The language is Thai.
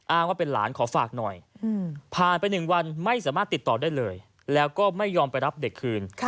ว่าเป็นหลานขอฝากหน่อยผ่านไป๑วันไม่สามารถติดต่อได้เลยแล้วก็ไม่ยอมไปรับเด็กคืน